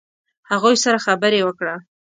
هغوی سره خبرې وکړه.